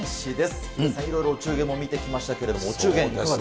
ヒデさん、いろいろお中元も見てきましたけれども、お中元、いかがですか。